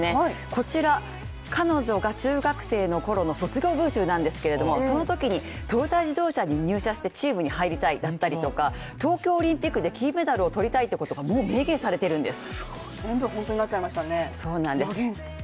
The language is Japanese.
こちら彼女が中学生の頃の卒業文集なんですけれども、そのときにトヨタ自動車に入社してチームに入りたいだったりとか、東京オリンピックで金メダルを取りたいってことがもう明言されてるんです。